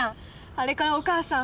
あれからお母さん。